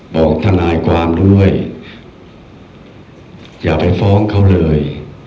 บอกทนายความด้วยอย่าไปฟ้องเขาเลย